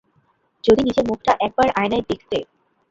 যদি নিজের মুখটা একবার আয়নায় দেখতে!